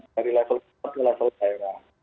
dari level pusat ke level daerah